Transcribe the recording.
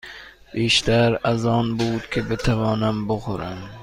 بیشتر از آن بود که بتوانم بخورم.